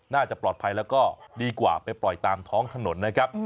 น่าจะปลอดภัยแล้วก็ดีกว่าไปปล่อยตามท้องถนนนะครับ